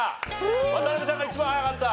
渡辺さんが一番早かった。